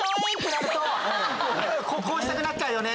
こうしたくなっちゃうよね！